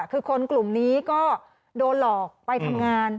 คือคนกลุ่มนี้ก็โดนหลอกไปทำงาน